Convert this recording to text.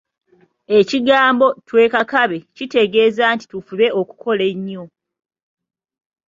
Ekigambo 'twekakabe' kitegeeza nti tufube okukola ennyo.